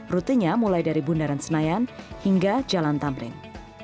rutenya mulai dari bundaran senayan hingga jalan tamrin